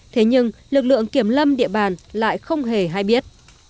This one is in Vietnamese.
thế nhưng lực lượng kiểm lâm địa bàn lại không hề hay biết